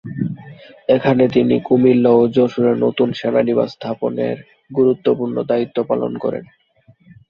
এখানে তিনি কুমিল্লা ও যশোরে নতুন সেনানিবাস স্থাপনের গুরুত্বপূর্ণ দ্বায়িত্ব পালন করেন।